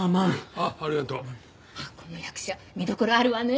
あっこの役者見どころあるわね。